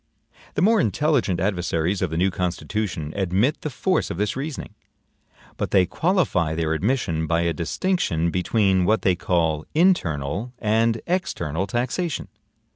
The more intelligent adversaries of the new Constitution admit the force of this reasoning; but they qualify their admission by a distinction between what they call INTERNAL and EXTERNAL taxation.